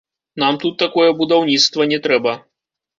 Нам тут такое будаўніцтва не трэба.